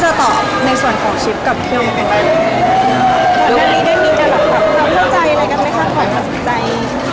จะแบบรวมขึ้นมามากกว่านี้